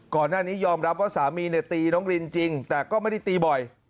ก่อนหน้านี้ยอมรับว่าสามีเนี่ยตีน้องรินจริงแต่ก็ไม่ได้ตีบ่อย